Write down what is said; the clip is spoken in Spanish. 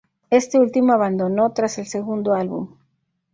Este último abandonó tras el segundo álbum.